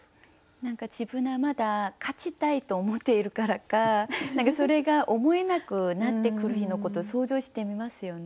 何か自分がまだ勝ちたいと思っているからかそれが思えなくなってくる日のことを想像してみますよね。